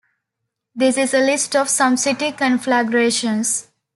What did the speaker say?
This is a list of some city conflagrations.